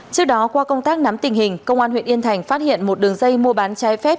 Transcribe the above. trước đó qua công tác nắm tình hình công an huyện yên thành phát hiện một đường dây mua bán trái phép